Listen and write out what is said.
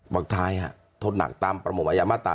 หวักท้ายธนักตามประโมงอาหมาตรา๓๐๓